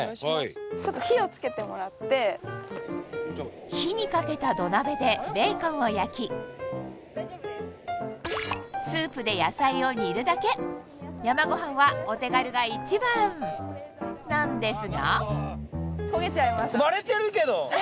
ちょっと火をつけてもらって火にかけた土鍋でベーコンを焼きスープで野菜を煮るだけ山ごはんはお手軽が一番なんですがねえ